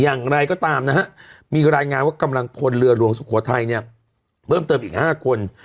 อย่างไรก็ตามนะฮะมีรายงานว่ากำลังพลเรือหลวงสุโขทัยเนี่ยเพิ่มเติมอีก๕คน